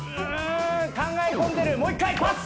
考え込んでるもう１回パス。